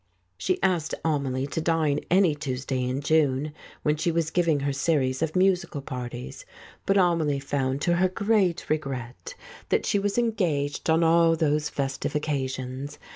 She asked Amelie to dine any Tuesday in June, when she was giving her series of musical parties, but Amelie found, to her great regret, that she was engaged on all those festive occasions.